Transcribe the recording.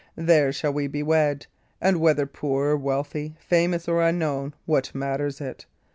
There shall we be wed; and whether poor or wealthy, famous or unknown, what, matters it?